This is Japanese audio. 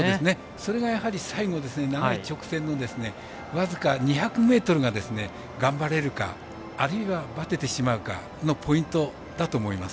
それがやはり最後、長い直線の僅か２００ｍが頑張れるか、あるいはばててしまうかのポイントだと思います。